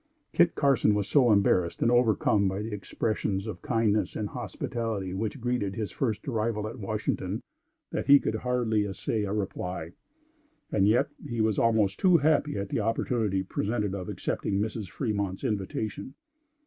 Kit Carson was so embarrassed and overcome by the expressions of kindness and hospitality which greeted his first arrival at Washington, that he could hardly essay a reply; and yet, he was almost too happy at the opportunity presented of accepting Mrs. Fremont's invitation.